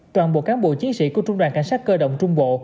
toàn bộ cán bộ chiến sĩ của trung đoàn cảnh sát cơ động trung bộ